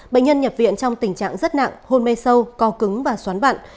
bệnh nhân nhập viện trong tình trạng rất nặng hôn mê sâu co cứng và xoán bạn